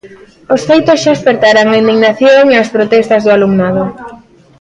Os feitos xa espertaran a indignación e as protestas do alumnado.